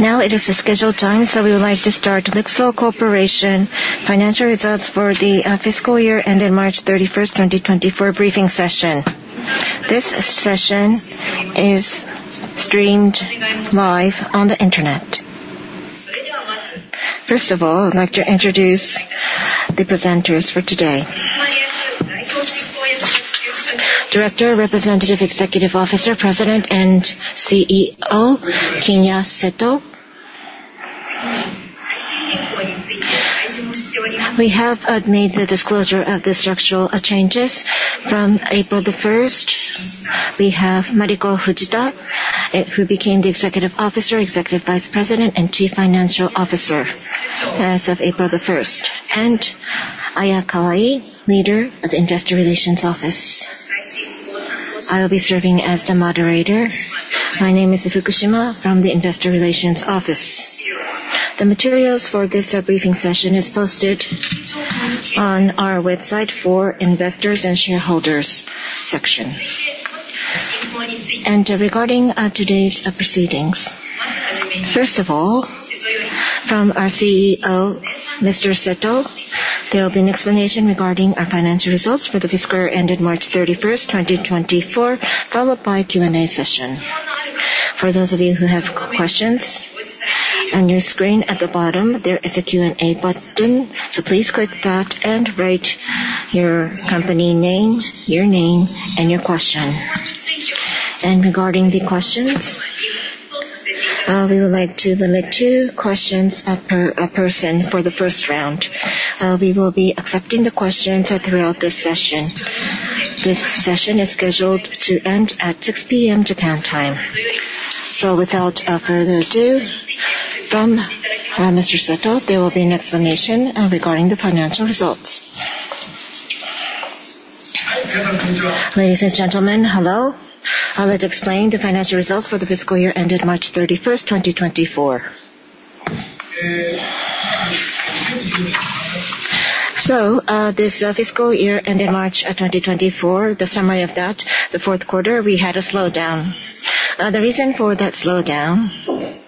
Now it is the scheduled time, so we would like to start LIXIL Corporation financial results for the fiscal year ended 31 March, 2024 briefing session. This session is streamed live on the internet. First of all, I'd like to introduce the presenters for today. Director, Representative Executive Officer, President and CEO, Kinya Seto. We have made the disclosure of the structural changes. From 1 April, we have Mariko Fujita, who became the Executive Officer, Executive Vice President and Chief Financial Officer as of 1 April, and Aya Kawai, leader of the Investor Relations office. I will be serving as the moderator. My name is Fukushima from the Investor Relations office. The materials for this briefing session is posted on our website for investors and shareholders section. Regarding today's proceedings, first of all, from our CEO, Mr. Seto, there will be an explanation regarding our financial results for the fiscal year ended 31 March, 2024, followed by Q&A session. For those of you who have questions, on your screen at the bottom, there is a Q&A button, so please click that and write your company name, your name, and your question. Regarding the questions, we would like to limit two questions per person for the first round. We will be accepting the questions throughout this session. This session is scheduled to end at 6:00 P.M. Japan time. Without further ado, from Mr. Seto, there will be an explanation regarding the financial results. Ladies and gentlemen, hello. I would like to explain the financial results for the fiscal year ended 31 March, 2024. So, this fiscal year ended March 2024, the summary of that, the Q4, we had a slowdown. The reason for that slowdown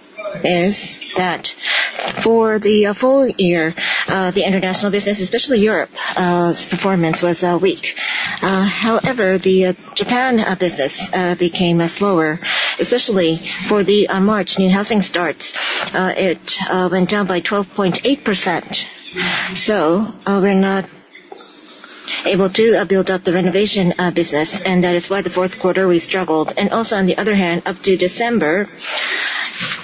is that for the full year, the international business, especially Europe, performance was weak. However, the Japan business became slower, especially for the March new housing starts. It went down by 12.8%. So we're not able to build up the renovation business, and that is why the Q4 we struggled. And also, on the other hand, up to December,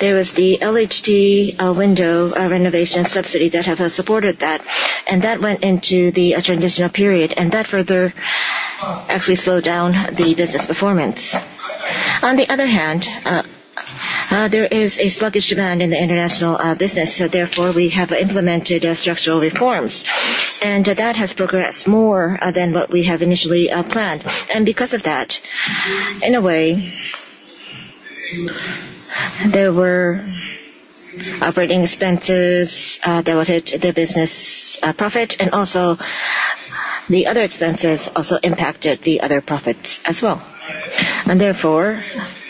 there was the LHT window renovation subsidy that have supported that, and that went into the transitional period, and that further actually slowed down the business performance. On the other hand, there is a sluggish demand in the international business, so therefore, we have implemented structural reforms, and that has progressed more than what we have initially planned. Because of that, in a way, there were operating expenses that hit the business profit, and also the other expenses also impacted the other profits as well. Therefore,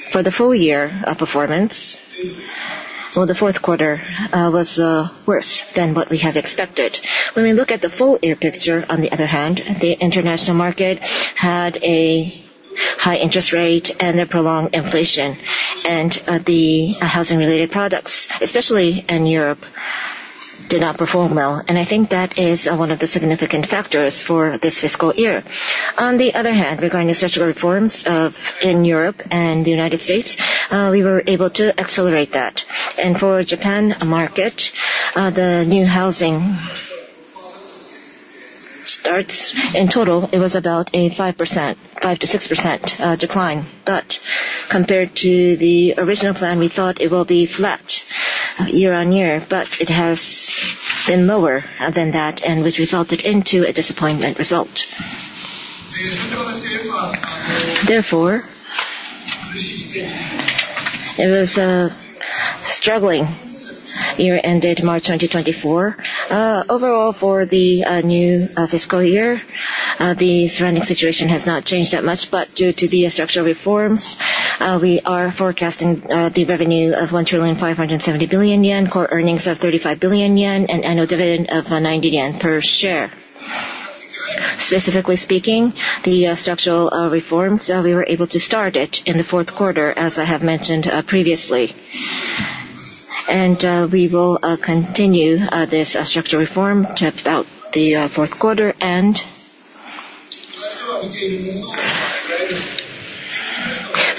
for the full year of performance, well, the Q4 was worse than what we had expected. When we look at the full year picture, on the other hand, the international market had a high interest rate and a prolonged inflation, and the housing-related products, especially in Europe, did not perform well, and I think that is one of the significant factors for this fiscal year. On the other hand, regarding the structural reforms, in Europe and the United States, we were able to accelerate that. For Japan market, the new housing starts, in total, it was about a 5%, 5%-6%, decline. But compared to the original plan, we thought it will be flat year-on-year, but it has been lower than that and which resulted into a disappointment result. Therefore, it was a struggling year ended March 2024. Overall, for the new fiscal year, the surrounding situation has not changed that much, but due to the structural reforms, we are forecasting the revenue of 1,570 billion yen, core earnings of 35 billion yen and annual dividend of 90 yen per share. Specifically speaking, the structural reforms we were able to start it in the Q4, as I have mentioned previously. We will continue this structural reform throughout the Q4.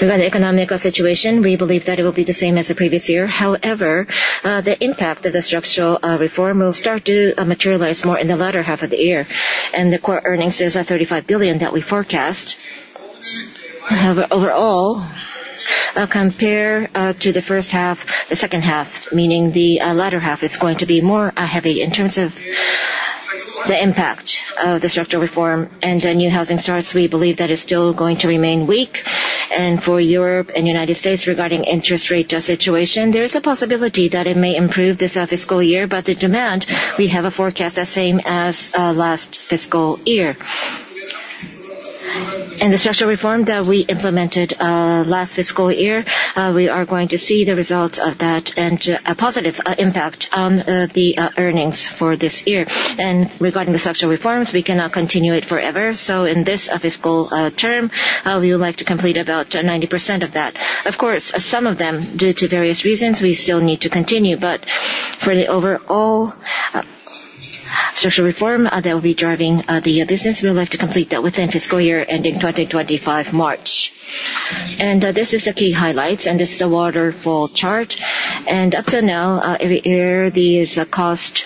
Regarding the economic situation, we believe that it will be the same as the previous year. However, the impact of the structural reform will start to materialize more in the latter half of the year, and the core earnings is 35 billion that we forecast. Overall, compare to the H1, the H2, meaning the latter half, is going to be more heavy in terms of the impact of the structural reform and the new housing starts. We believe that it's still going to remain weak. For Europe and United States, regarding interest rate situation, there is a possibility that it may improve this fiscal year, but the demand, we have a forecast as same as last fiscal year. The structural reform that we implemented last fiscal year, we are going to see the results of that and a positive impact on the earnings for this year. Regarding the structural reforms, we cannot continue it forever. In this fiscal term, we would like to complete about 90% of that. Of course, some of them, due to various reasons, we still need to continue, but for the overall structural reform that will be driving the business, we would like to complete that within fiscal year ending 2025, March. This is the key highlights, and this is a waterfall chart. Up to now, every year, there is a cost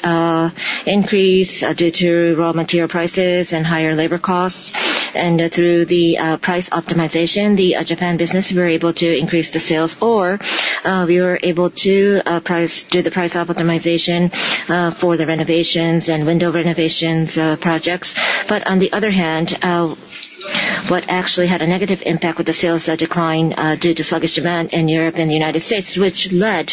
increase due to raw material prices and higher labor costs. Through the price optimization, the Japan business, we're able to increase the sales or we were able to do the price optimization for the renovations and window renovations projects. But on the other hand, what actually had a negative impact with the sales decline due to sluggish demand in Europe and the United States, which led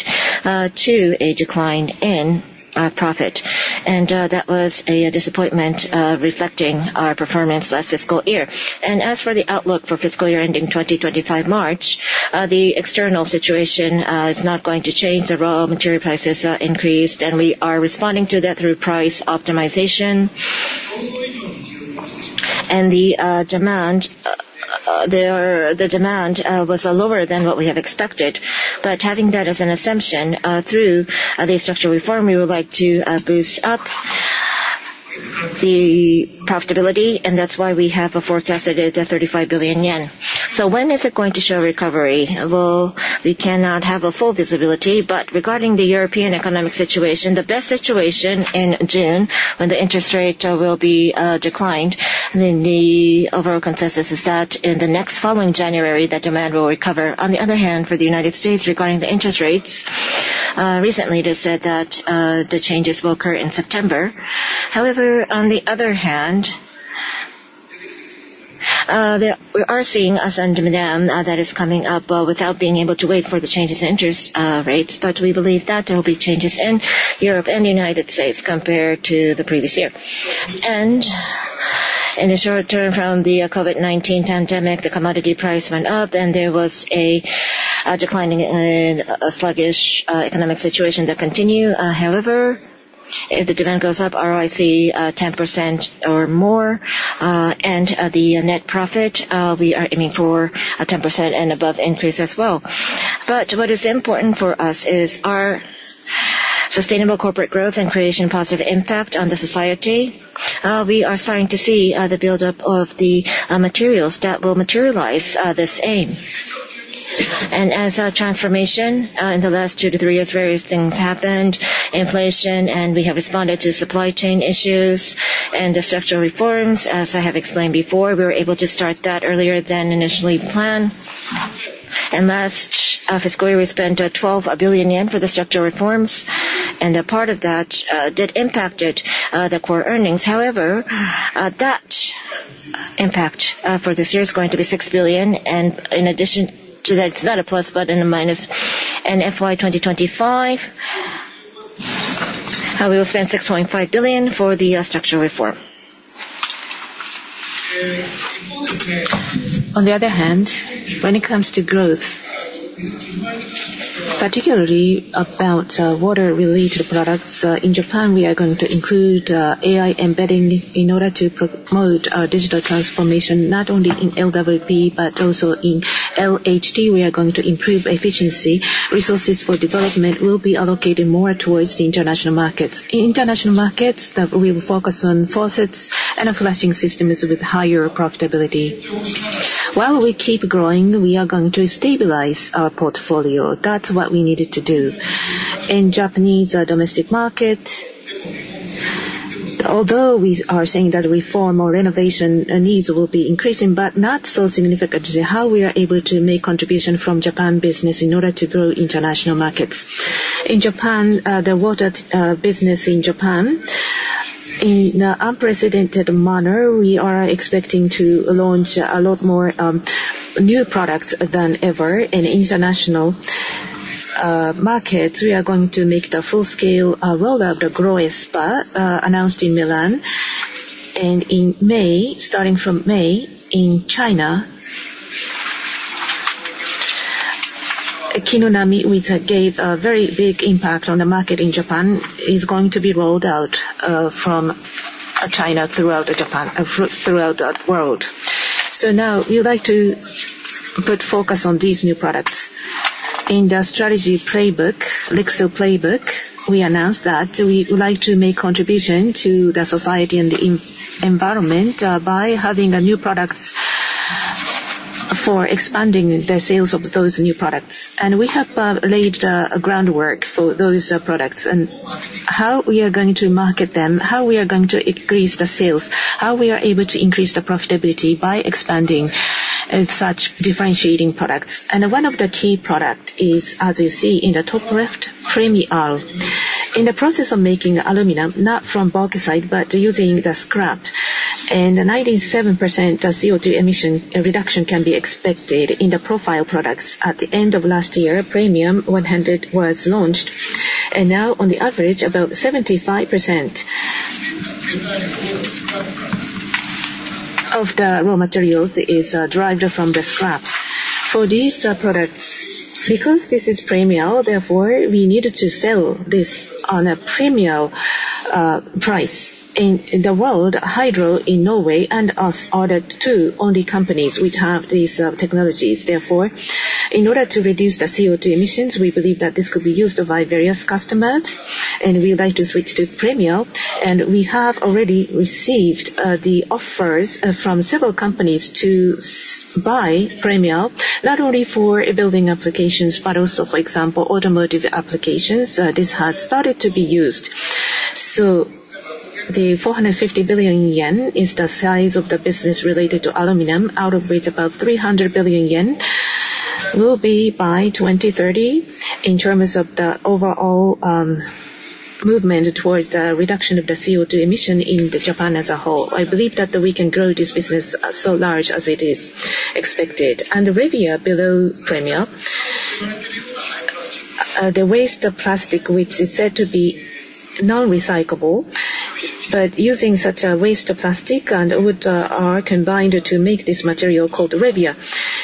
to a decline in profit. That was a disappointment reflecting our performance last fiscal year. As for the outlook for fiscal year ending 2025, March, the external situation is not going to change. The raw material prices are increased, and we are responding to that through price optimization. And the demand there was lower than what we have expected. But having that as an assumption, through the structural reform, we would like to boost up the profitability, and that's why we have forecasted it at 35 billion yen. So when is it going to show recovery? Well, we cannot have a full visibility, but regarding the European economic situation, the best situation in June, when the interest rate will be declined, then the overall consensus is that in the next following January, the demand will recover. On the other hand, for the United States, regarding the interest rates, recently, they said that the changes will occur in September. However, on the other hand, we are seeing as demand that is coming up without being able to wait for the changes in interest rates, but we believe that there will be changes in Europe and United States compared to the previous year. And in the short term, from the COVID-19 pandemic, the commodity price went up, and there was a decline in a sluggish economic situation that continue. However, if the demand goes up, ROIC 10% or more, and the net profit we are aiming for a 10% and above increase as well. But what is important for us is our sustainable corporate growth and creating a positive impact on the society. We are starting to see the buildup of the materials that will materialize this aim. As a transformation, in the last 2 to 3 years, various things happened, inflation, and we have responded to supply chain issues and the structural reforms. As I have explained before, we were able to start that earlier than initially planned. Last fiscal year, we spent 12 billion yen for the structural reforms, and a part of that did impacted the core earnings. However, that impact for this year is going to be 6 billion, and in addition to that, it's not a plus, but in a minus. FY 2025, we will spend 6.5 billion for the structural reform. On the other hand, when it comes to growth, particularly about water-related products in Japan, we are going to include AI embedding in order to promote digital transformation, not only in LWT, but also in LHT. We are going to improve efficiency. Resources for development will be allocated more towards the international markets. In international markets, we will focus on faucets and flushing systems with higher profitability. While we keep growing, we are going to stabilize our portfolio. That's what we needed to do. In Japanese domestic market, although we are saying that reform or renovation needs will be increasing, but not so significantly, how we are able to make contribution from Japan business in order to grow international markets. In Japan, the water business in Japan, in an unprecedented manner, we are expecting to launch a lot more new products than ever. In international markets, we are going to make the full scale roll out the GROHE SPA announced in Milan. And in May, starting from May, in China, KINUAMI, which gave a very big impact on the market in Japan, is going to be rolled out from China throughout Japan throughout the world. So now we would like to put focus on these new products. In the strategy playbook, LIXIL Playbook, we announced that we would like to make contribution to the society and the environment by having a new products for expanding the sales of those new products. We have laid groundwork for those products and how we are going to market them, how we are going to increase the sales, how we are able to increase the profitability by expanding such differentiating products. One of the key product is, as you see in the top left, PremiAL. In the process of making aluminum, not from bauxite, but using the scrap, and a 97% CO2 emission reduction can be expected in the profile products. At the end of last year, PremiAL 100 was launched, and now on the average, about 75%-... of the raw materials is derived from the scraps. For these products, because this is PremiAL, therefore, we needed to sell this on a PremiAL price. In the world, Hydro in Norway and us are the two only companies which have these technologies. Therefore, in order to reduce the CO2 emissions, we believe that this could be used by various customers, and we would like to switch to PremiAL. And we have already received the offers from several companies to buy PremiAL, not only for building applications, but also, for example, automotive applications. This has started to be used. So the 450 billion yen is the size of the business related to aluminum, out of which about 300 billion yen will be by 2030. In terms of the overall movement towards the reduction of the CO2 emission in Japan as a whole, I believe that we can grow this business so large as it is expected. And the Revia, below PremiAL, the waste of plastic, which is said to be non-recyclable, but using such a waste of plastic and wood are combined to make this material called Revia.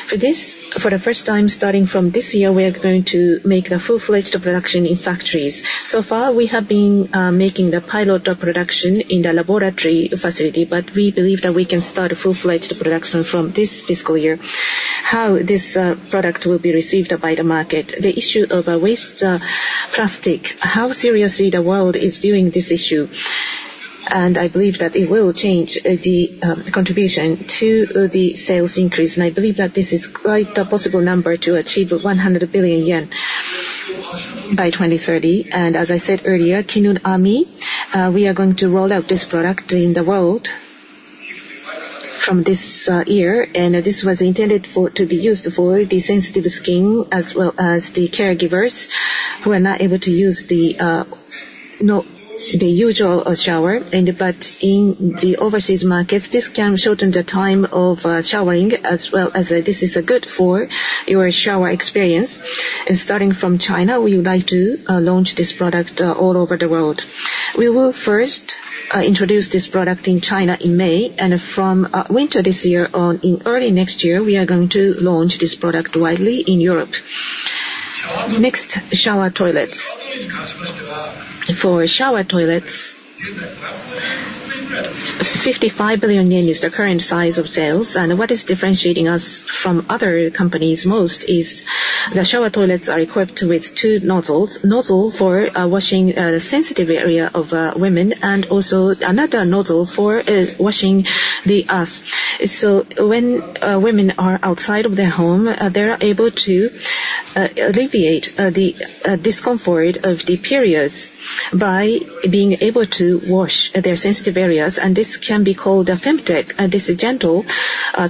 For this, for the first time, starting from this year, we are going to make the full-fledged production in factories. So far, we have been making the pilot production in the laboratory facility, but we believe that we can start full-fledged production from this fiscal year. How this product will be received by the market, the issue of waste plastic, how seriously the world is viewing this issue, and I believe that it will change the contribution to the sales increase. And I believe that this is quite a possible number to achieve 100 billion yen by 2030. And as I said earlier, KINUAMI, we are going to roll out this product in the world from this year. And this was intended to be used for the sensitive skin, as well as the caregivers who are not able to use the usual shower. But in the overseas markets, this can shorten the time of showering as well as this is good for your shower experience. Starting from China, we would like to launch this product all over the world. We will first introduce this product in China in May, and from winter this year on, in early next year, we are going to launch this product widely in Europe. Next, shower toilets. For shower toilets, 55 billion yen is the current size of sales, and what is differentiating us from other companies most is the shower toilets are equipped with two nozzles: nozzle for washing the sensitive area of women, and also another nozzle for washing the ass. So when women are outside of their home, they are able to alleviate the discomfort of the periods by being able to wash their sensitive areas, and this can be called a femtech, and this is a gentle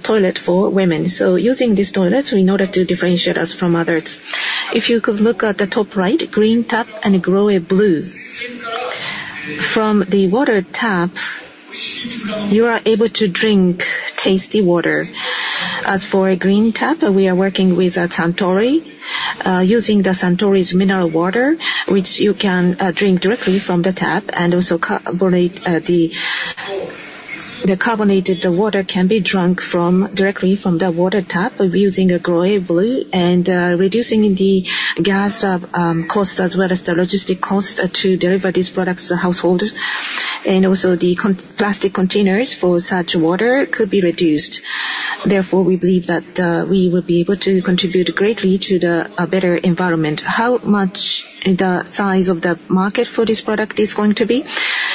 toilet for women. So using this toilet in order to differentiate us from others. If you could look at the top right, Green Tap and GROHE Blue. From the water tap, you are able to drink tasty water. As for a Green Tap, we are working with Suntory, using Suntory's mineral water, which you can drink directly from the tap, and also carbonate the carbonated water can be drunk directly from the water tap by using a GROHE Blue and reducing the gas cost, as well as the logistic cost to deliver these products to households. And also the plastic containers for such water could be reduced. Therefore, we believe that we will be able to contribute greatly to a better environment. How much the size of the market for this product is going to be?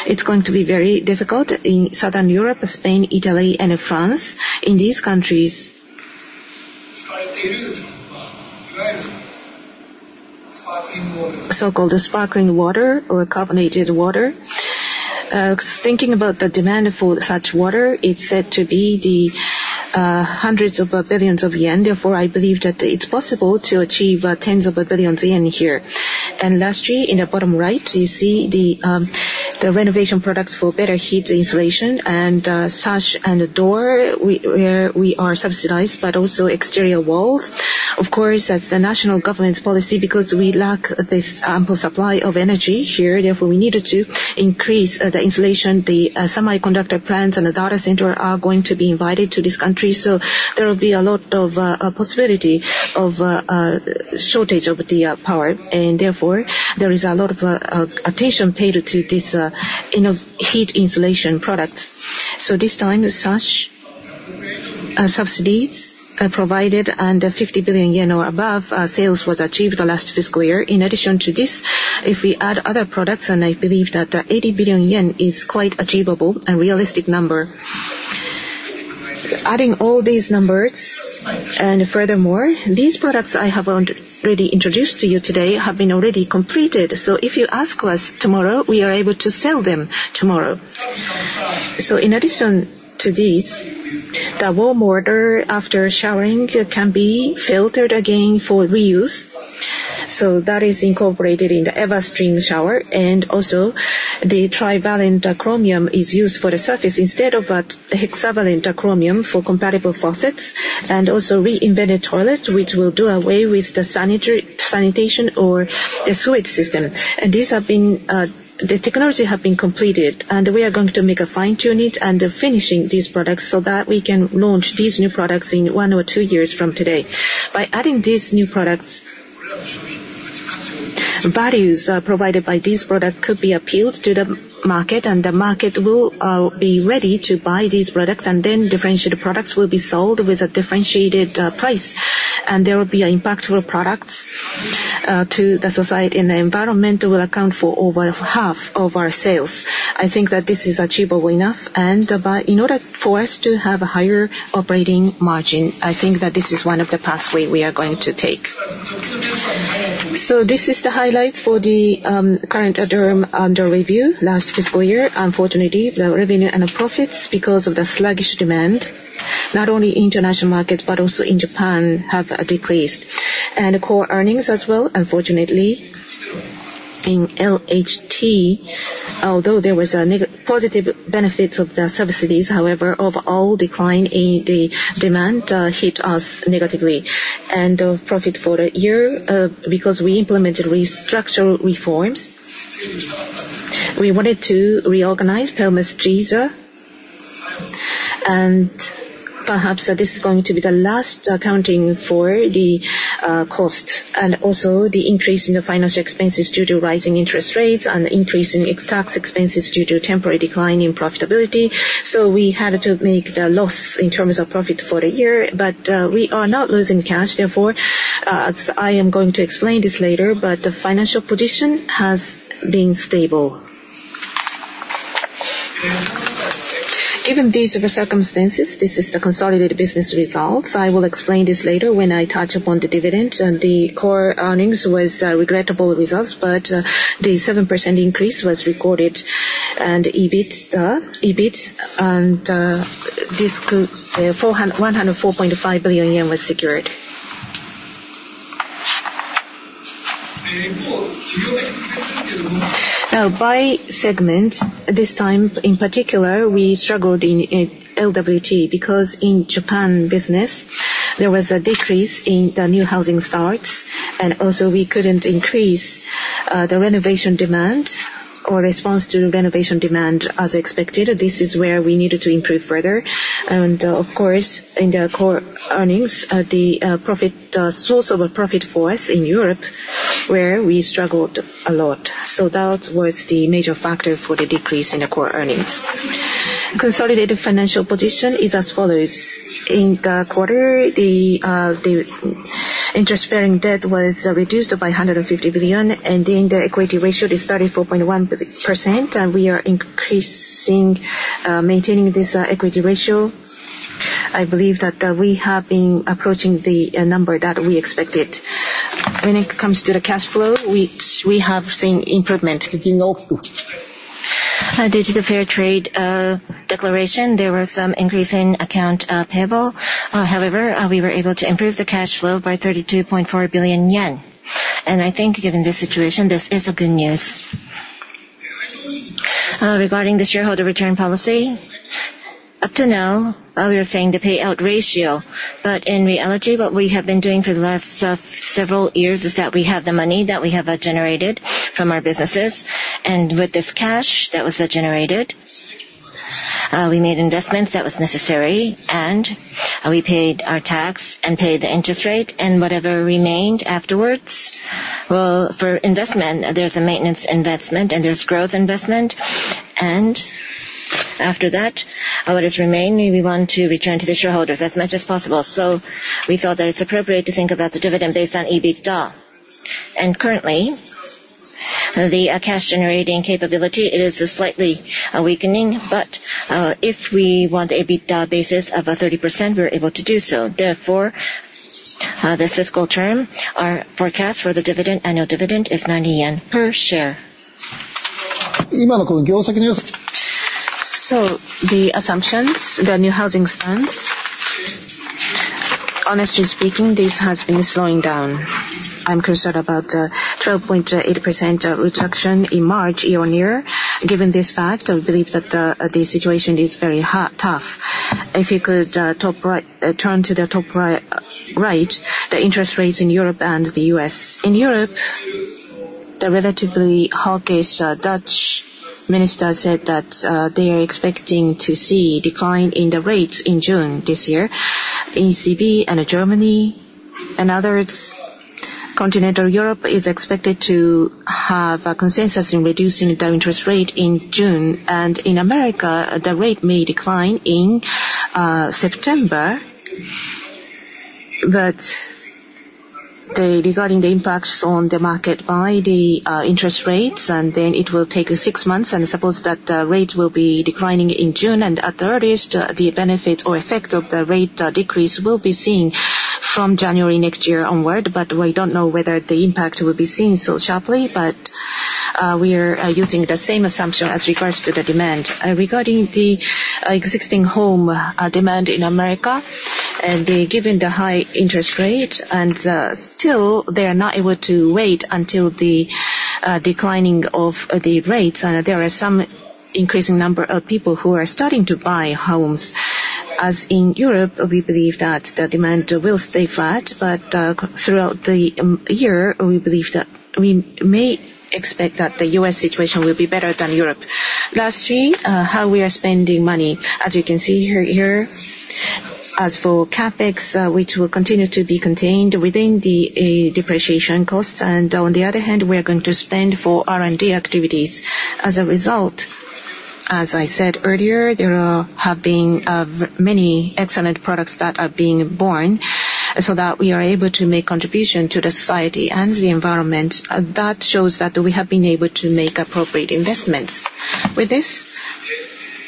It's going to be very difficult in Southern Europe, Spain, Italy and France. In these countries-... So-called the sparkling water or carbonated water. Thinking about the demand for such water, it's said to be the hundreds of billions JPY. Therefore, I believe that it's possible to achieve tens of billions JPY here. And lastly, in the bottom right, you see the renovation products for better heat insulation and sash and door. We are subsidized, but also exterior walls. Of course, that's the national government's policy because we lack this ample supply of energy here, therefore, we needed to increase the insulation. The semiconductor plants and the data center are going to be invited to this country, so there will be a lot of possibility of shortage of the power, and therefore, there is a lot of attention paid to this, you know, heat insulation products. So this time, the sash subsidies are provided, and 50 billion yen or above sales was achieved the last fiscal year. In addition to this, if we add other products, and I believe that 80 billion yen is quite achievable and realistic number. Adding all these numbers, and furthermore, these products I have already introduced to you today have been already completed. So if you ask us tomorrow, we are able to sell them tomorrow. So in addition to this, the warm water after showering can be filtered again for reuse. So that is incorporated in the EverStream Shower, and also the Trivalent Chromium is used for the surface instead of a hexavalent chromium for compatible faucets. And also reinvented toilets, which will do away with the sanitation or the sewage system. These have been the technology have been completed, and we are going to make a fine-tune it and finishing these products, so that we can launch these new products in one or two years from today. By adding these new products, values provided by this product could be appealed to the market, and the market will be ready to buy these products, and then differentiated products will be sold with a differentiated price. There will be impactful products to the society, and the environmental will account for over half of our sales. I think that this is achievable enough, and but in order for us to have a higher operating margin, I think that this is one of the pathway we are going to take. This is the highlights for the current term under review. Last fiscal year, unfortunately, the revenue and the profits, because of the sluggish demand, not only international market, but also in Japan, have decreased. And the core earnings as well, unfortunately, in LHT, although there was a positive benefits of the subsidies, however, overall decline in the demand hit us negatively. And profit for the year, because we implemented structural reforms, we wanted to reorganize Permasteelisa. And perhaps this is going to be the last accounting for the cost, and also the increase in the financial expenses due to rising interest rates and the increase in tax expenses due to temporary decline in profitability. So we had to make the loss in terms of profit for the year, but we are not losing cash, therefore, as I am going to explain this later, but the financial position has been stable. Given these circumstances, this is the consolidated business results. I will explain this later when I touch upon the dividend, and the core earnings was regrettable results, but the 7% increase was recorded, an EBITDA, EBIT and 104.5 billion yen was secured. Now, by segment, this time, in particular, we struggled in LWT because in Japan business, there was a decrease in the new housing starts, and also we couldn't increase the renovation demand or response to renovation demand as expected. This is where we needed to improve further. Of course, in the core earnings, the profit source of a profit for us in Europe, where we struggled a lot. So that was the major factor for the decrease in the core earnings. Consolidated financial position is as follows: in the quarter, the interest-bearing debt was reduced by 150 billion, and then the equity ratio is 34.1%, and we are increasing, maintaining this equity ratio. I believe that, we have been approaching the number that we expected. When it comes to the cash flow, we have seen improvement. Due to the fair trade declaration, there was some increase in accounts payable. However, we were able to improve the cash flow by 32.4 billion yen, and I think given this situation, this is a good news. Regarding the shareholder return policy, up to now, we were saying the payout ratio, but in reality, what we have been doing for the last several years is that we have the money that we have generated from our businesses, and with this cash that was generated, we made investments that was necessary, and we paid our tax and paid the interest rate and whatever remained afterwards. Well, for investment, there's a maintenance investment, and there's growth investment, and after that, what is remaining, we want to return to the shareholders as much as possible. So we thought that it's appropriate to think about the dividend based on EBITDA. And currently, the cash-generating capability is slightly weakening, but if we want the EBITDA basis of 30%, we're able to do so. Therefore, this fiscal term, our forecast for the dividend, annual dividend is 90 yen per share. So the assumptions, the new housing starts. Honestly speaking, this has been slowing down. I'm concerned about 12.8% reduction in March year-on-year. Given this fact, I believe that the situation is very tough. If you could, top right, turn to the top right, the interest rates in Europe and the U.S. In Europe, the relatively hawkish Dutch minister said that they are expecting to see decline in the rates in June this year. ECB and Germany and others, continental Europe is expected to have a consensus in reducing the interest rate in June. And in America, the rate may decline in September. Regarding the impacts on the market by the interest rates, and then it will take six months, and suppose that the rate will be declining in June, and at the earliest, the benefit or effect of the rate decrease will be seen from January next year onward. But we don't know whether the impact will be seen so sharply, but we are using the same assumption as regards to the demand. Regarding the existing home demand in America, given the high interest rate and still they are not able to wait until the declining of the rates, and there are some increasing number of people who are starting to buy homes. As in Europe, we believe that the demand will stay flat, but throughout the year, we believe that we may expect that the U.S. situation will be better than Europe. Lastly, how we are spending money. As you can see here- ...As for CapEx, which will continue to be contained within the depreciation costs, and on the other hand, we are going to spend for R&D activities. As a result, as I said earlier, there have been very many excellent products that are being born, so that we are able to make contribution to the society and the environment. That shows that we have been able to make appropriate investments. With this,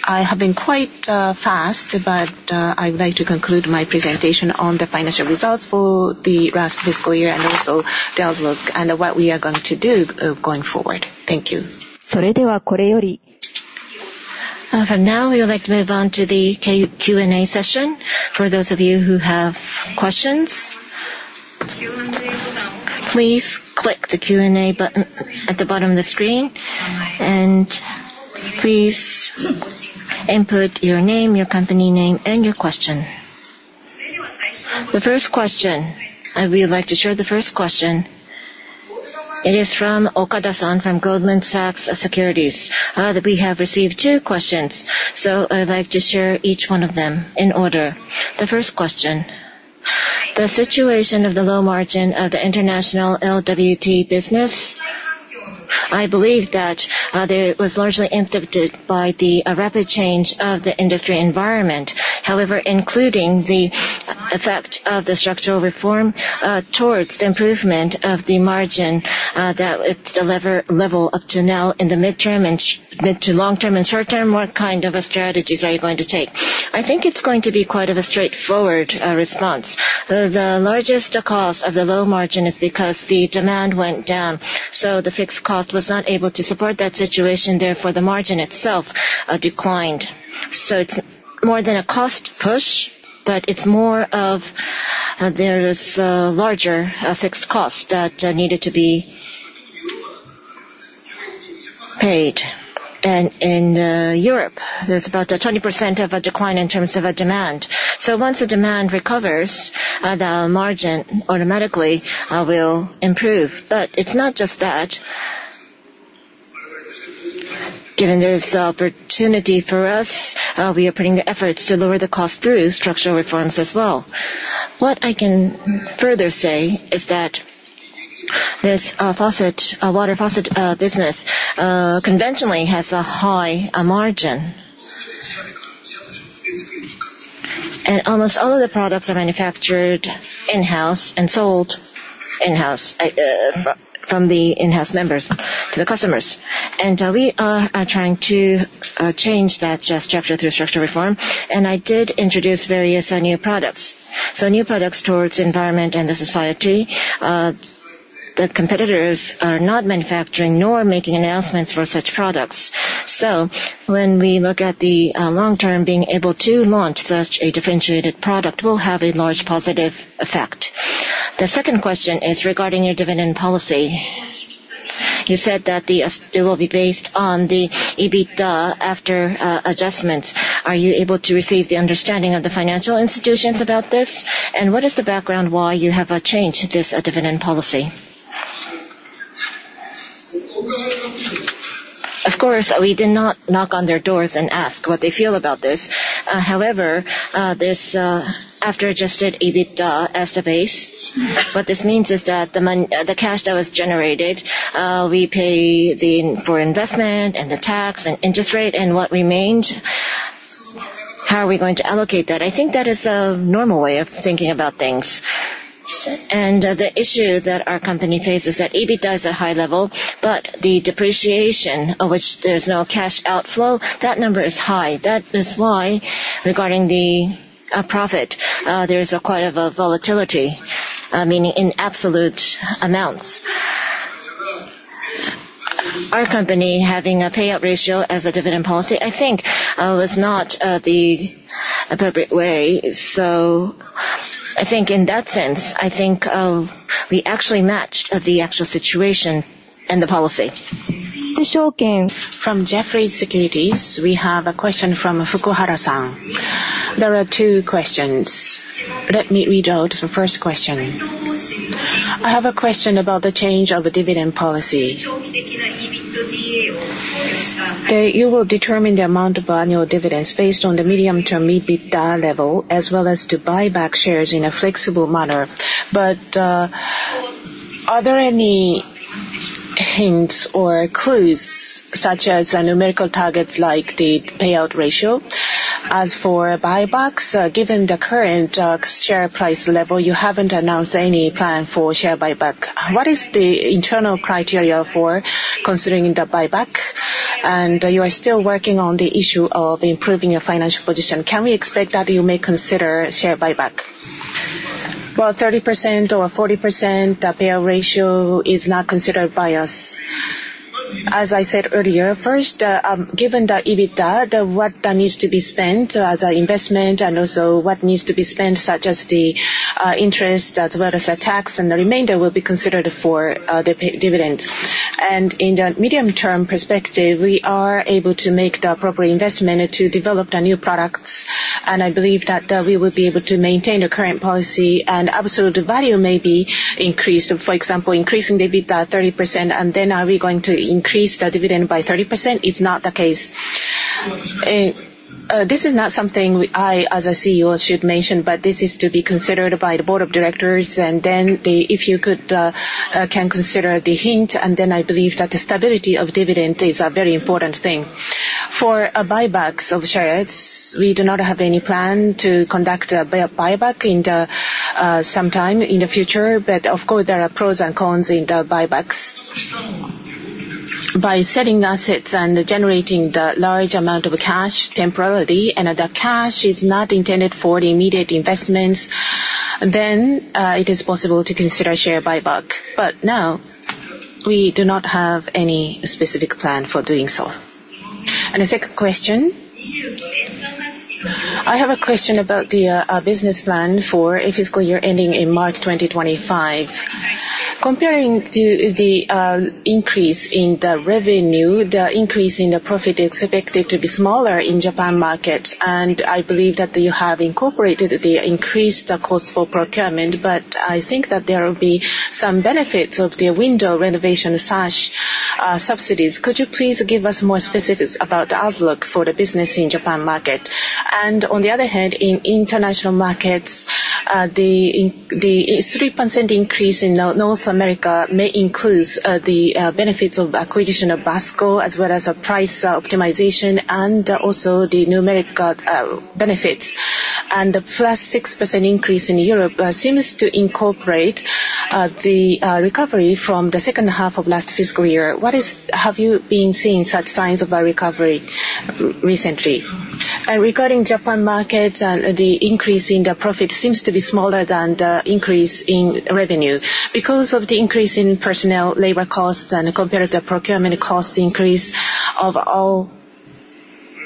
I have been quite fast, but, I'd like to conclude my presentation on the financial results for the last fiscal year, and also the outlook, and what we are going to do going forward. Thank you. Now, we would like to move on to the Q&A session. For those of you who have questions, please click the Q&A button at the bottom of the screen, and please input your name, your company name, and your question. The first question, I would like to share the first question. It is from Okada-san from Goldman Sachs Securities. We have received two questions, so I would like to share each one of them in order. The first question: the situation of the low margin of the international LWT business, I believe that it was largely impacted by a rapid change of the industry environment. However, including the effect of the structural reform, towards the improvement of the margin, that it's the level up to now in the midterm, and mid to long-term and short-term, what kind of a strategies are you going to take? I think it's going to be quite a straightforward response. The largest cost of the low margin is because the demand went down, so the fixed cost was not able to support that situation, therefore, the margin itself declined. So it's more than a cost push, but it's more of... There is a larger fixed cost that needed to be paid. And in Europe, there's about a 20% decline in terms of demand. So once the demand recovers, the margin automatically will improve. But it's not just that. Given this opportunity for us, we are putting the efforts to lower the cost through structural reforms as well. What I can further say is that this faucet water faucet business conventionally has a high margin. Almost all of the products are manufactured in-house and sold in-house, from the in-house members to the customers. We are trying to change that structure through structural reform, and I did introduce various new products. So new products towards environment and the society, the competitors are not manufacturing nor making announcements for such products. So when we look at the long term, being able to launch such a differentiated product will have a large positive effect. The second question is regarding your dividend policy. You said that it will be based on the EBITDA after adjustments. Are you able to receive the understanding of the financial institutions about this? And what is the background why you have changed this dividend policy? Of course, we did not knock on their doors and ask what they feel about this. However, this after adjusted EBITDA as the base, what this means is that the cash that was generated, we pay for investment and the tax and interest rate, and what remained, how are we going to allocate that? I think that is a normal way of thinking about things. The issue that our company faces, that EBITDA is at a high level, but the depreciation, of which there's no cash outflow, that number is high. That is why, regarding the profit, there is quite of a volatility, meaning in absolute amounts. Our company having a payout ratio as a dividend policy, I think, was not the appropriate way. So I think in that sense, I think, we actually matched the actual situation and the policy. From Jefferies Securities, we have a question from Fukuhara-san. There are two questions. Let me read out the first question. I have a question about the change of the dividend policy. You will determine the amount of annual dividends based on the medium-term EBITDA level, as well as to buy back shares in a flexible manner. But, are there any hints or clues, such as numerical targets, like the payout ratio? As for buybacks, given the current share price level, you haven't announced any plan for share buyback. What is the internal criteria for considering the buyback? And you are still working on the issue of improving your financial position, can we expect that you may consider share buyback? Well, 30% or 40%, the payout ratio is not considered by us. As I said earlier, first, given the EBITDA, what needs to be spent as an investment, and also what needs to be spent, such as the, interest, as well as the tax, and the remainder will be considered for, the dividend. And in the medium-term perspective, we are able to make the appropriate investment and to develop the new products, and I believe that, we will be able to maintain the current policy. And absolute value may be increased, for example, increasing the EBITDA 30%, and then are we going to increase the dividend by 30%? It's not the case. This is not something I, as a CEO, should mention, but this is to be considered by the board of directors, and then if you could consider the hint, and then I believe that the stability of dividend is a very important thing. For a buybacks of shares, we do not have any plan to conduct a buyback in the sometime in the future, but of course, there are pros and cons in the buybacks. By selling the assets and generating the large amount of cash temporarily, and the cash is not intended for the immediate investments, then it is possible to consider share buyback. But no, we do not have any specific plan for doing so. The second question? I have a question about the business plan for a fiscal year ending in March 2025. Comparing to the increase in the revenue, the increase in the profit is expected to be smaller in Japan market, and I believe that you have incorporated the increased cost for procurement, but I think that there will be some benefits of the window renovation sash subsidies. Could you please give us more specifics about the outlook for the business in Japan market? And on the other hand, in international markets, the 3% increase in North America may include the benefits of acquisition of Basco, as well as a price optimization and also the numeric benefits. And the +6% increase in Europe seems to incorporate the recovery from the H2 of last fiscal year. What have you been seeing such signs of a recovery recently? Regarding Japan market, the increase in the profit seems to be smaller than the increase in revenue. Because of the increase in personnel, labor costs, and comparative procurement cost increase of all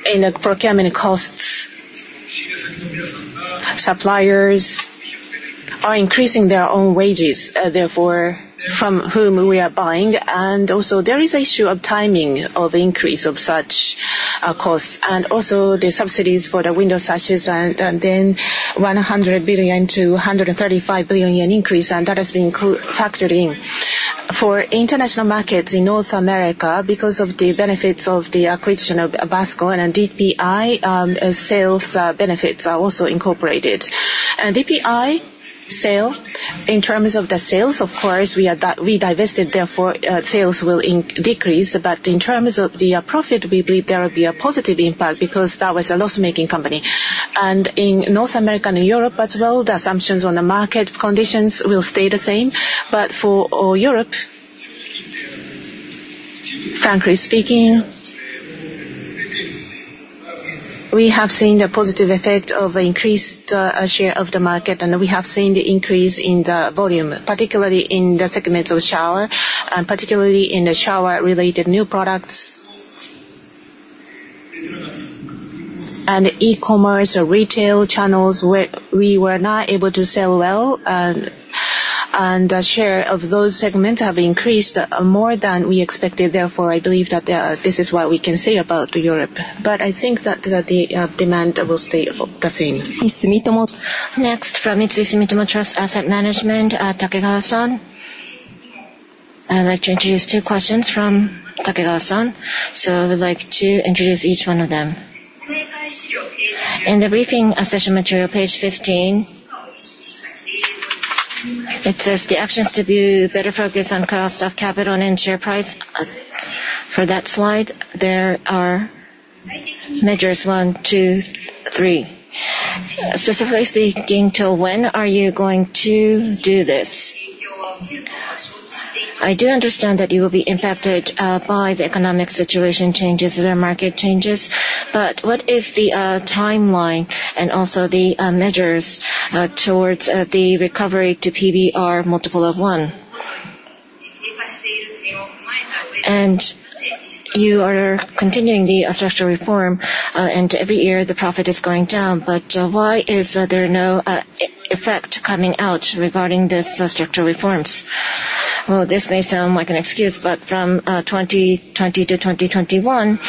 in the procurement costs, suppliers are increasing their own wages, therefore, from whom we are buying. And also, there is an issue of timing of increase of such costs, and also the subsidies for the window sashes and, and then 100 billion-135 billion yen increase, and that has been factored in. For international markets in North America, because of the benefits of the acquisition of Basco and DPI, sales benefits are also incorporated. And DPI sale, in terms of the sales, of course, we divested, therefore, sales will decrease. But in terms of the profit, we believe there will be a positive impact because that was a loss-making company. And in North America and Europe as well, the assumptions on the market conditions will stay the same. But for Europe, frankly speaking, we have seen the positive effect of increased share of the market, and we have seen the increase in the volume, particularly in the segments of shower, and particularly in the shower-related new products. And e-commerce or retail channels where we were not able to sell well, and the share of those segments have increased more than we expected. Therefore, I believe that this is what we can say about Europe, but I think that the demand will stay the same. Next, from Mitsui Sumitomo Trust Asset Management, Takekawa-san. I'd like to introduce two questions from Takekawa-san, so I would like to introduce each one of them. In the briefing session material, page 15, it says, "The actions to be better focused on cost of capital and share price." For that slide, there are measures 1, 2, 3. Specifically speaking, till when are you going to do this? I do understand that you will be impacted by the economic situation changes or market changes, but what is the timeline and also the measures towards the recovery to PBR multiple of 1? And you are continuing the structural reform, and every year the profit is going down, but why is there no effect coming out regarding this structural reforms? Well, this may sound like an excuse, but from 2020 to 2021,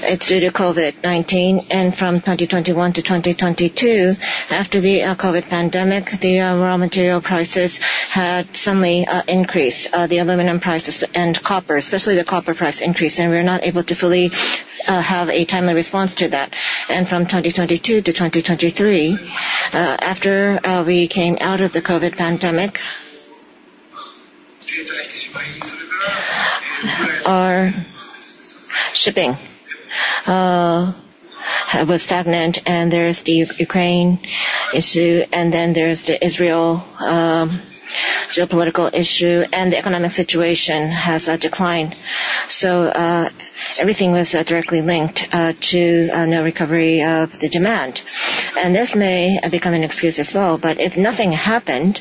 it's due to COVID-19, and from 2021 to 2022, after the COVID pandemic, the raw material prices had suddenly increased. The aluminum prices and copper, especially the copper price increased, and we were not able to fully have a timely response to that. And from 2022 to 2023, after we came out of the COVID pandemic, our shipping was stagnant, and there's the Ukraine issue, and then there's the Israel geopolitical issue, and the economic situation has declined. So, everything was directly linked to no recovery of the demand. And this may become an excuse as well, but if nothing happened,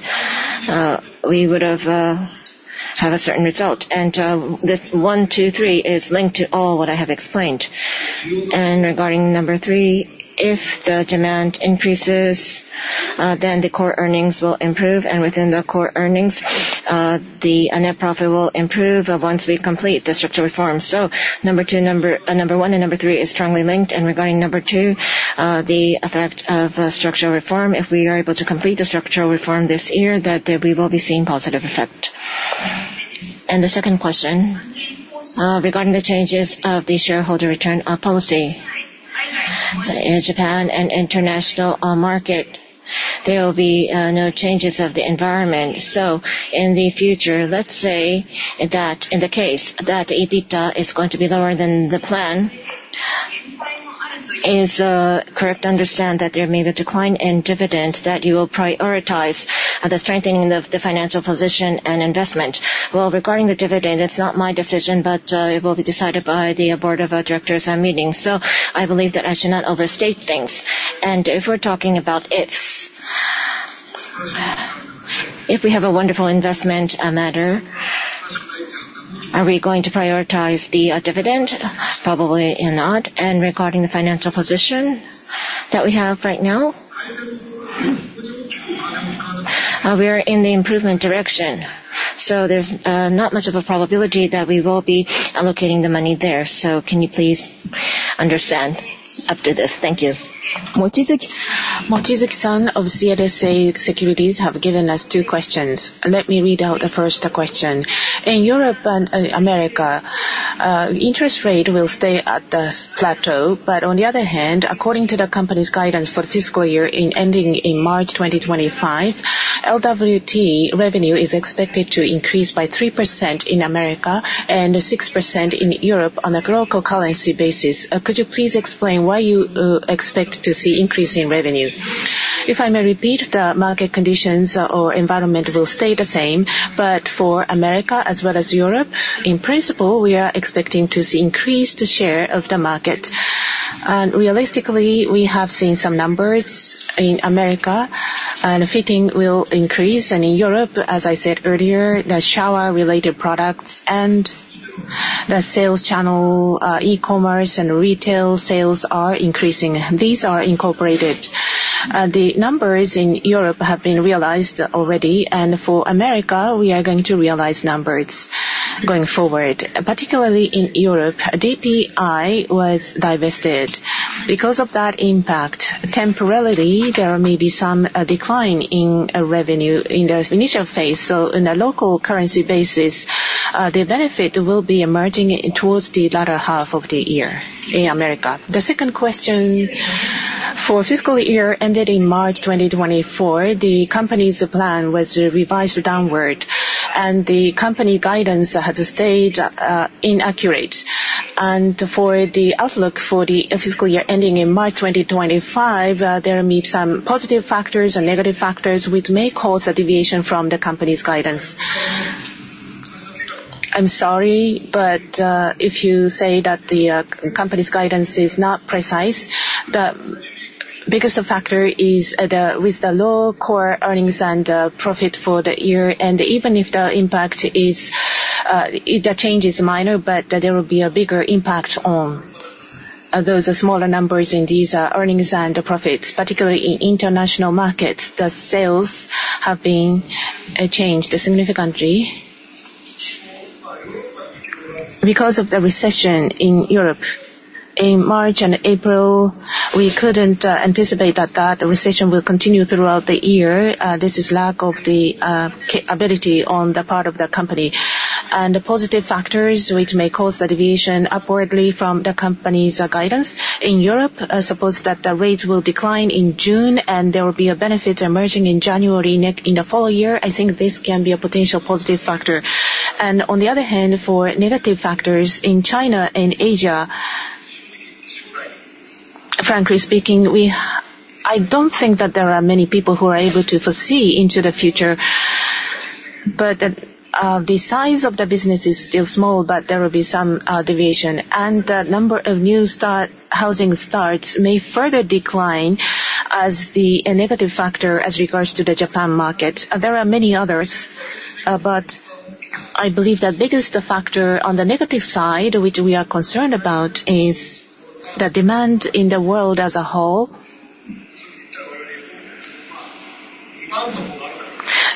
we would have a certain result. This 1, 2, 3 is linked to all what I have explained. Regarding number 3, if the demand increases, then the core earnings will improve, and within the core earnings, the net profit will improve once we complete the Structural Reform. So number 2, number 1 and number 3 is strongly linked. Regarding number 2, the effect of Structural Reform, if we are able to complete the Structural Reform this year, that we will be seeing positive effect. The second question, regarding the changes of the shareholder return policy. In Japan and international market, there will be no changes of the environment. So in the future, let's say that in the case that EBITDA is going to be lower than the plan, is correct to understand that there may be a decline in dividend, that you will prioritize the strengthening of the financial position and investment? Well, regarding the dividend, it's not my decision, but it will be decided by the board of directors meeting. So I believe that I should not overstate things. And if we're talking about ifs, if we have a wonderful investment matter, are we going to prioritize the dividend? Probably not. And regarding the financial position that we have right now, we are in the improvement direction, so there's not much of a probability that we will be allocating the money there. So can you please understand up to this? Thank you. Mochizuki, Mochizuki-san of CLSA Securities have given us two questions. Let me read out the first question. In Europe and America, interest rate will stay at the same plateau, but on the other hand, according to the company's guidance for fiscal year ending in March 2025, LWT revenue is expected to increase by 3% in America and 6% in Europe on a local currency basis. Could you please explain why you expect to see increase in revenue? If I may repeat, the market conditions or environment will stay the same. But for America as well as Europe, in principle, we are expecting to see increased share of the market. And realistically, we have seen some numbers in America, and fittings will increase. And in Europe, as I said earlier, the shower-related products and the sales channel, e-commerce and retail sales are increasing. These are incorporated. The numbers in Europe have been realized already, and for America, we are going to realize numbers going forward. Particularly in Europe, DPI was divested. Because of that impact, temporarily, there may be some decline in revenue in the initial phase. So in a local currency basis, the benefit will be emerging towards the latter half of the year in America. The second question, for fiscal year ending March 2024, the company's plan was revised downward, and the company guidance has stayed inaccurate. For the outlook for the fiscal year ending in March 2025, there may be some positive factors and negative factors which may cause a deviation from the company's guidance. I'm sorry, but, if you say that the company's guidance is not precise, the biggest factor is with the low core earnings and profit for the year. Even if the impact is, the change is minor, but there will be a bigger impact on those smaller numbers in these earnings and the profits. Particularly in international markets, the sales have been changed significantly because of the recession in Europe. In March and April, we couldn't anticipate that, that the recession will continue throughout the year. This is lack of the capability on the part of the company. The positive factors, which may cause the deviation upwardly from the company's guidance in Europe, I suppose that the rates will decline in June, and there will be a benefit emerging in January in the following year. I think this can be a potential positive factor. On the other hand, for negative factors in China and Asia, frankly speaking, we—I don't think that there are many people who are able to foresee into the future, but, the size of the business is still small, but there will be some deviation. The number of new housing starts may further decline as a negative factor as regards to the Japan market. There are many others, but I believe the biggest factor on the negative side, which we are concerned about, is the demand in the world as a whole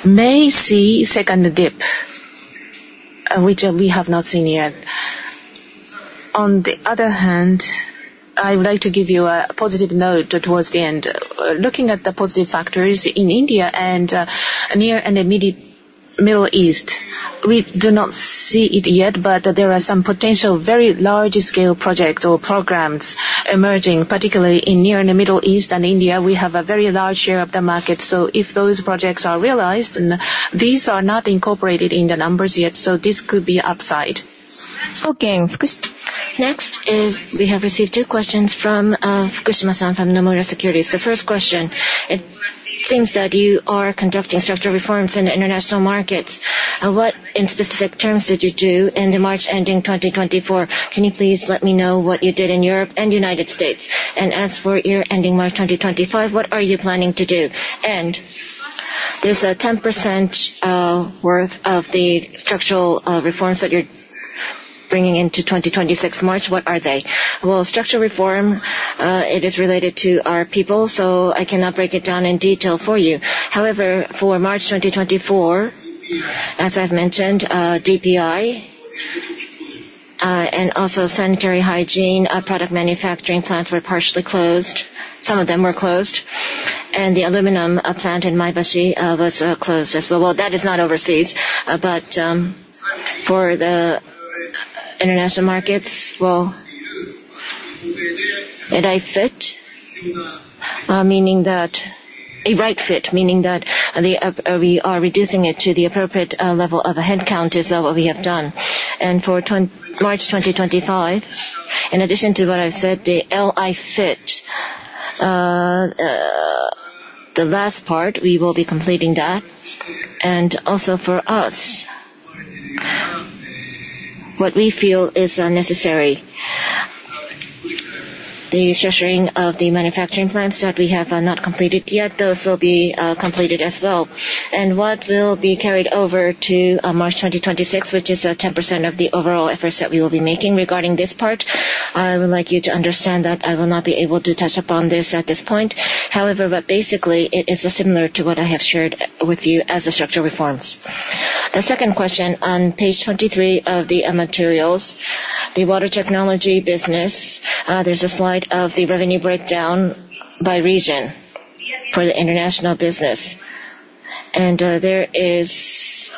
may see second dip, which we have not seen yet. On the other hand, I would like to give you a positive note towards the end. Looking at the positive factors in India and Near East and the Middle East, we do not see it yet, but there are some potential very large-scale projects or programs emerging, particularly in Near East and the Middle East and India. We have a very large share of the market, so if those projects are realized, and these are not incorporated in the numbers yet, so this could be upside. Okay. Next is we have received two questions from, Fukushima-san from Nomura Securities. The first question: It seems that you are conducting structural reforms in the international markets. What, in specific terms, did you do in the March ending 2024? Can you please let me know what you did in Europe and United States? And as for year ending March 2025, what are you planning to do? And there's a 10% worth of the structural reforms that you're bringing into March 2026. What are they? Well, structural reform, it is related to our people, so I cannot break it down in detail for you. However, for March 2024, as I've mentioned, DPI-... and also sanitary hygiene product manufacturing plants were partially closed. Some of them were closed, and the aluminum plant in Maebashi was closed as well. Well, that is not overseas, but for the international markets, well, LI-FIT, meaning that a right fit, meaning that the we are reducing it to the appropriate level of a headcount is what we have done. And for March 2025, in addition to what I've said, the LI-FIT, the last part, we will be completing that. And also for us, what we feel is necessary, the structuring of the manufacturing plants that we have not completed yet, those will be completed as well. And what will be carried over to March 2026, which is 10% of the overall efforts that we will be making regarding this part, I would like you to understand that I will not be able to touch upon this at this point. However, but basically, it is similar to what I have shared with you as the structural reforms. The second question on page 23 of the materials, the water technology business, there's a slide of the revenue breakdown by region for the international business. And there is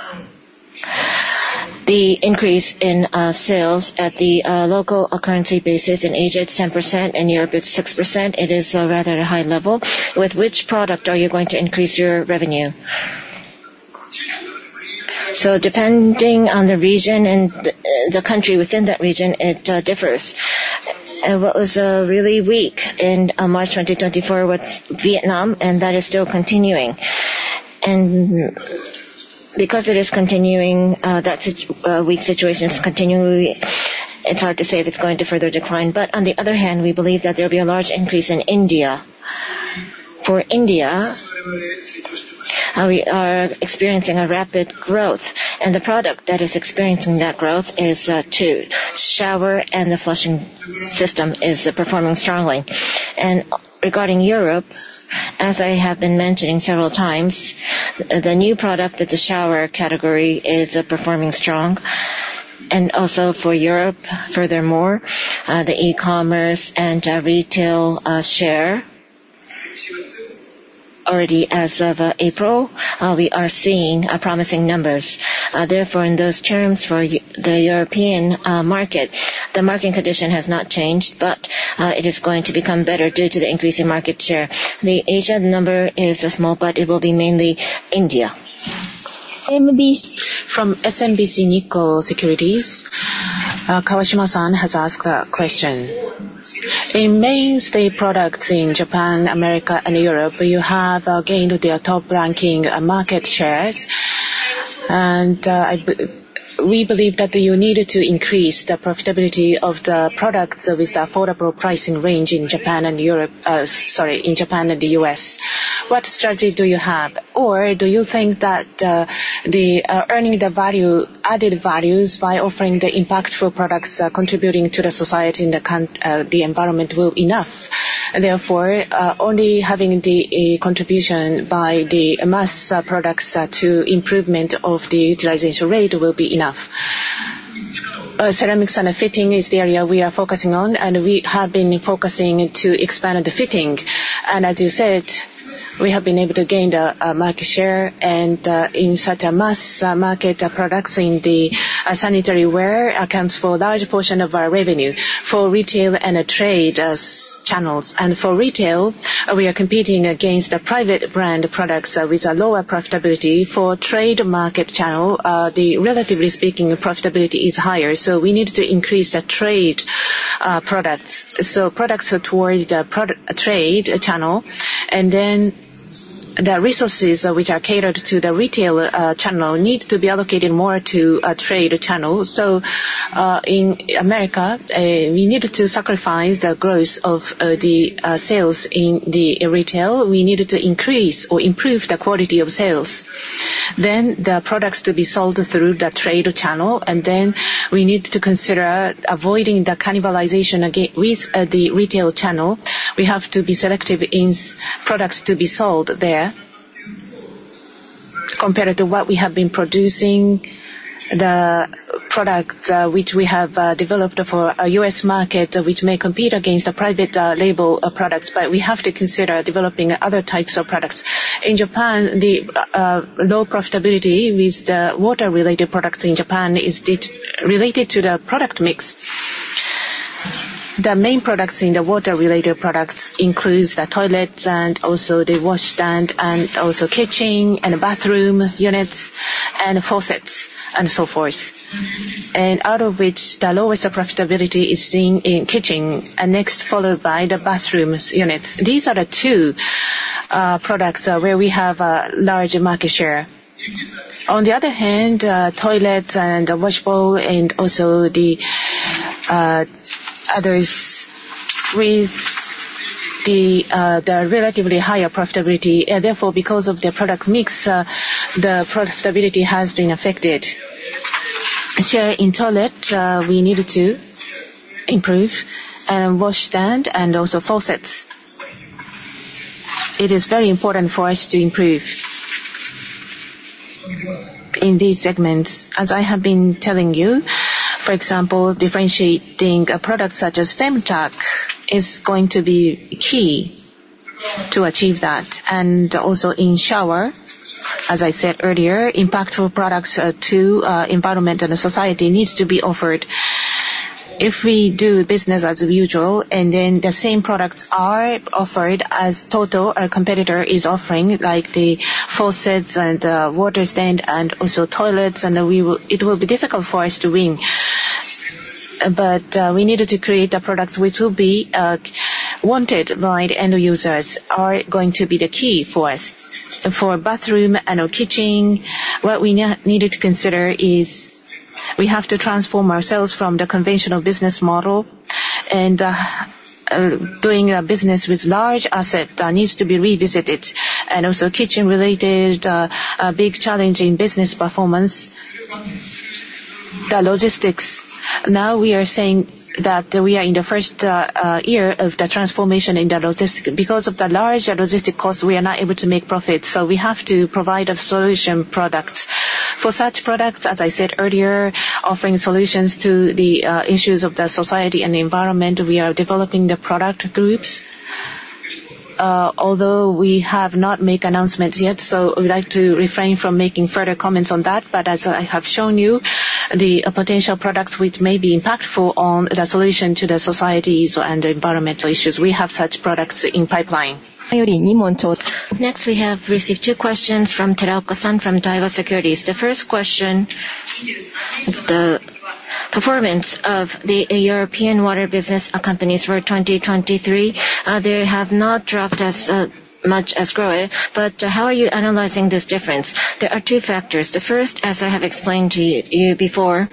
the increase in sales at the local currency basis. In Asia, it's 10%, in Europe, it's 6%. It is rather at a high level. With which product are you going to increase your revenue? So depending on the region and the country within that region, it differs. And what was really weak in March 2024 was Vietnam, and that is still continuing. And because it is continuing, that weak situation is continuing, it's hard to say if it's going to further decline. But on the other hand, we believe that there'll be a large increase in India. For India, we are experiencing a rapid growth, and the product that is experiencing that growth is 2: Shower and the Flushing System is performing strongly. And regarding Europe, as I have been mentioning several times, the new product at the shower category is performing strong. And also for Europe, furthermore, the e-commerce and retail share, already as of April, we are seeing promising numbers. Therefore, in those terms, for the European market, the market condition has not changed, but it is going to become better due to the increase in market share. The Asia number is small, but it will be mainly India. MB from SMBC Nikko Securities. Kawashima San has asked a question. In mainstay products in Japan, America, and Europe, you have gained their top ranking market shares, and we believe that you needed to increase the profitability of the products with the affordable pricing range in Japan and Europe. Sorry, in Japan and the US. What strategy do you have? Or do you think that the earning the value added values by offering the impactful products contributing to the society and the environment will enough? Therefore, only having the contribution by the mass products to improvement of the utilization rate will be enough. Ceramics and fitting is the area we are focusing on, and we have been focusing to expand the fitting. As you said, we have been able to gain the market share, and in such a mass market, products in the sanitary ware accounts for a large portion of our revenue for retail and trade as channels. For retail, we are competing against the private brand products with a lower profitability. For trade market channel, the relatively speaking profitability is higher, so we need to increase the trade products. Products towards the product trade channel, and then the resources which are catered to the retail channel needs to be allocated more to trade channel. In America, we needed to sacrifice the growth of the sales in the retail. We needed to increase or improve the quality of sales, then the products to be sold through the trade channel, and then we need to consider avoiding the cannibalization with the retail channel. We have to be selective in products to be sold there. Compared to what we have been producing, the products which we have developed for a U.S. market, which may compete against the private label products, but we have to consider developing other types of products. In Japan, the low profitability with the water-related products in Japan is related to the product mix. The main products in the water-related products includes the toilets and also the washstand, and also kitchen and bathroom units and faucets, and so forth. Out of which, the lowest profitability is seen in kitchen, and next, followed by the bathroom units. These are the two products where we have a large market share. On the other hand, toilet and washbowl, and also the relatively higher profitability. Therefore, because of the product mix, the profitability has been affected. So in toilet, we needed to improve, and washstand and also faucets. It is very important for us to improve... in these segments, as I have been telling you, for example, differentiating a product such as Femtech is going to be key to achieve that. And also in shower, as I said earlier, impactful products to environment and the society needs to be offered. If we do business as usual, and then the same products are offered as total, our competitor is offering, like the faucets and water stand and also toilets, and then it will be difficult for us to win. But we needed to create products which will be wanted by the end users, are going to be the key for us. For bathroom and/or kitchen, what we needed to consider is we have to transform ourselves from the conventional business model, and doing a business with large asset needs to be revisited. And also kitchen-related, a big challenge in business performance, the logistics. Now we are saying that we are in the first year of the transformation in the logistics. Because of the large logistic cost, we are not able to make profit, so we have to provide a solution products. For such products, as I said earlier, offering solutions to the issues of the society and the environment, we are developing the product groups. Although we have not make announcements yet, so we'd like to refrain from making further comments on that. But as I have shown you, the potential products which may be impactful on the solution to the societies and environmental issues, we have such products in pipeline. Next, we have received two questions from Teraoka-san from Daiwa Securities. The first question is the performance of the European water business companies for 2023. They have not dropped as much as GROHE, but how are you analyzing this difference? There are two factors. The first, as I have explained to you before,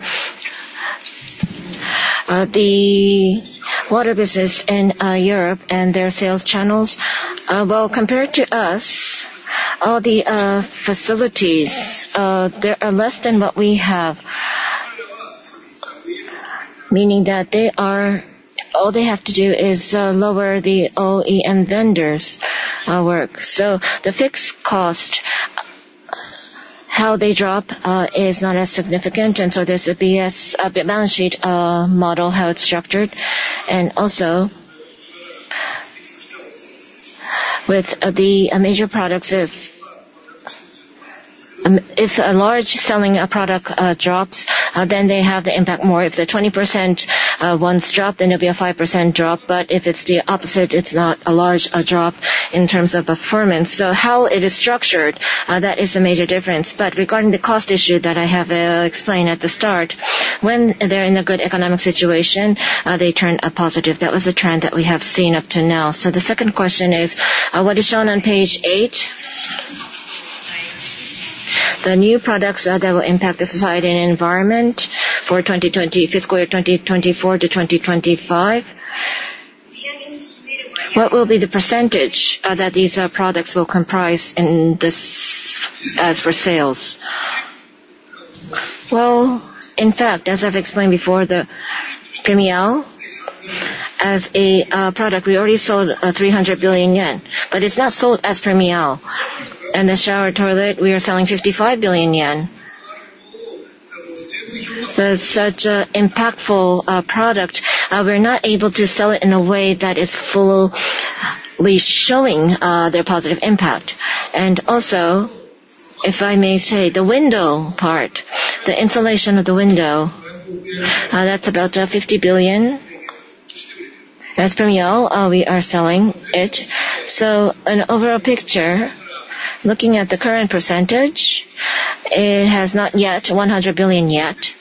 the water business in Europe and their sales channels, well, compared to us, all the facilities, they are less than what we have. Meaning that they are all they have to do is lower the OEM vendors work. So the fixed cost, how they drop, is not as significant, and so there's a BS, a balance sheet model, how it's structured. And also, with the major products, if a large selling product drops, then they have the impact more. If the 20% ones drop, then it'll be a 5% drop, but if it's the opposite, it's not a large drop in terms of performance. So how it is structured, that is a major difference. But regarding the cost issue that I have explained at the start, when they're in a good economic situation, they turn a positive. That was the trend that we have seen up to now. So the second question is, what is shown on page 8, the new products that will impact the society and environment for fiscal year 2024-2025. What will be the percentage that these products will comprise in this as for sales? Well, in fact, as I've explained before, the PremiAL as a product, we already sold 300 billion yen, but it's not sold as PremiAL. And the shower toilet, we are selling 55 billion yen. So such a impactful product, we're not able to sell it in a way that is fully showing their positive impact. And also, if I may say, the window part, the insulation of the window, that's about 50 billion. As PremiAL, we are selling it. So in overall picture, looking at the current percentage, it has not yet 100 billion yet.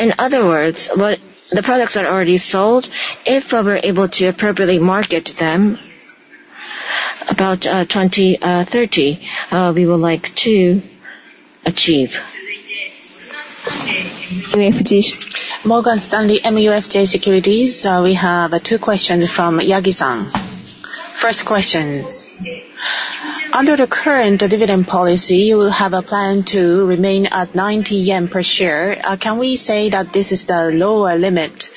In other words, what the products are already sold, if we're able to appropriately market them, about 20 billion-30 billion, we would like to achieve. Morgan Stanley MUFJ Securities. We have two questions from Yagi-san. First question: under the current dividend policy, you will have a plan to remain at 90 yen per share. Can we say that this is the lower limit?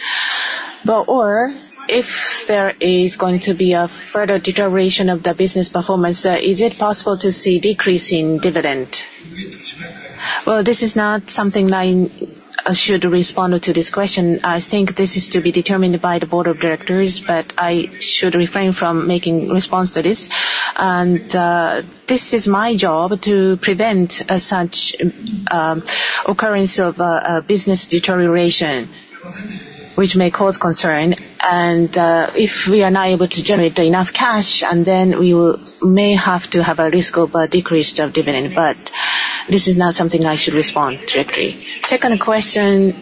But or if there is going to be a further deterioration of the business performance, is it possible to see decrease in dividend? Well, this is not something I should respond to this question. I think this is to be determined by the board of directors, but I should refrain from making response to this. And, this is my job to prevent a such occurrence of a business deterioration which may cause concern. And, if we are not able to generate enough cash, and then we may have to have a risk of a decrease of dividend, but this is not something I should respond directly. Second question: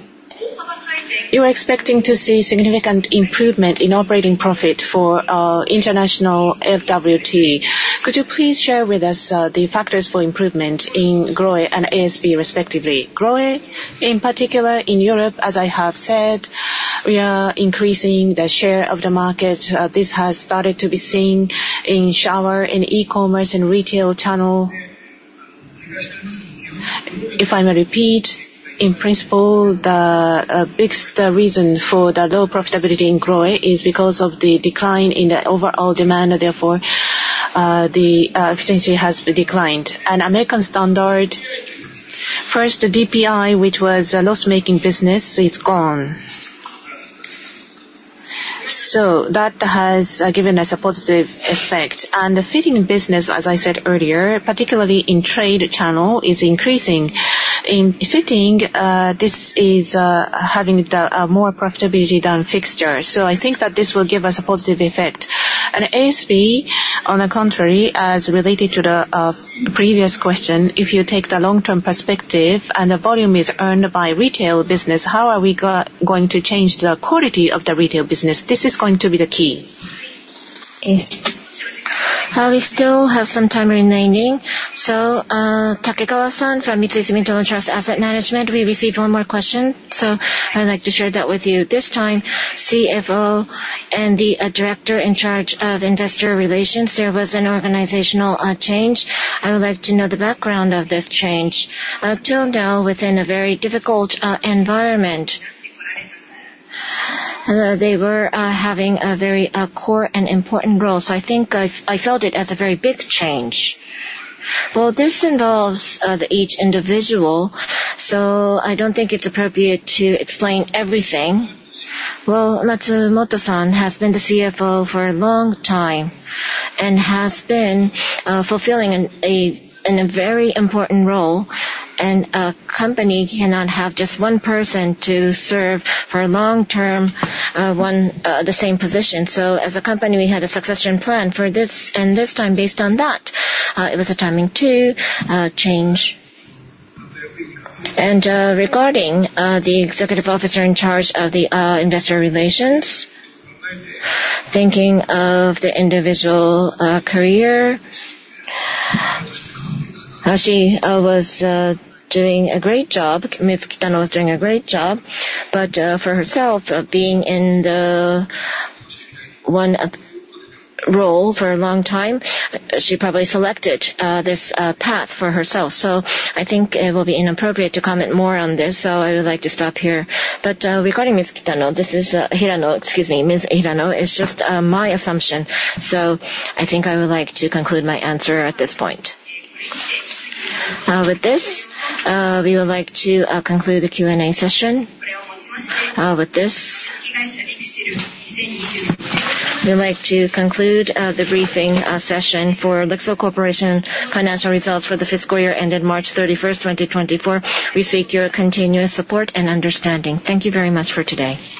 you are expecting to see significant improvement in operating profit for, international LWT. Could you please share with us, the factors for improvement in GROHE and ASB, respectively? GROHE, in particular in Europe, as I have said, we are increasing the share of the market. This has started to be seen in shower, in e-commerce and retail channel. If I may repeat, in principle, the biggest reason for the low profitability in GROHE is because of the decline in the overall demand, and therefore, the essentially has declined. American Standard, first, the DPI, which was a loss-making business, it's gone. So that has given us a positive effect. The fitting business, as I said earlier, particularly in trade channel, is increasing. In fitting, this is having the more profitability than fixtures. So I think that this will give us a positive effect. ASB, on the contrary, as related to the previous question, if you take the long-term perspective and the volume is earned by retail business, how are we going to change the quality of the retail business? This is going to be the key. We still have some time remaining. So, Takekawa-san from Mitsui Sumitomo Trust Asset Management, we received one more question, so I would like to share that with you. This time, CFO and the director in charge of investor relations, there was an organizational change. I would like to know the background of this change. Till now, within a very difficult environment, they were having a very core and important role, so I think I felt it as a very big change. Well, this involves the each individual, so I don't think it's appropriate to explain everything. Well, Matsumoto-san has been the CFO for a long time and has been fulfilling in a very important role, and a company cannot have just one person to serve for long term the same position. So as a company, we had a succession plan for this, and this time, based on that, it was a timing to change. And regarding the executive officer in charge of the investor relations, thinking of the individual career, she was doing a great job. Ms. Kitano was doing a great job, but for herself, being in the one role for a long time, she probably selected this path for herself. So I think it will be inappropriate to comment more on this, so I would like to stop here. But, regarding Ms. Kitano, this is, Hirano. Excuse me, Ms. Hirano. It's just, my assumption. So I think I would like to conclude my answer at this point. With this, we would like to conclude the Q&A session. With this, we'd like to conclude the briefing session for LIXIL Corporation Financial Results for the Fiscal Year ended March 31, 2024. We seek your continuous support and understanding. Thank you very much for today.